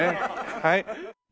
はい。